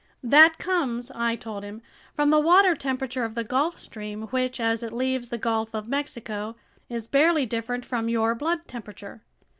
"That comes," I told him, "from the water temperature of the Gulf Stream, which, as it leaves the Gulf of Mexico, is barely different from your blood temperature.